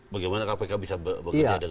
bagaimana kpk bisa bekerja dengan